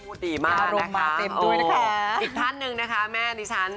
พูดดีมากนะคะโอ้อีกท่านหนึ่งนะคะแม่นิชชัน